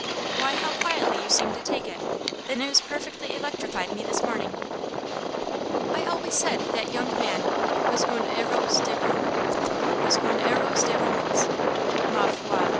"Why, how quietly you seem to take it! The news perfectly electrified me this morning. I always said that young man was 'un heros de romans!' Ma foi!